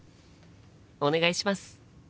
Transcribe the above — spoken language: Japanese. お願いします！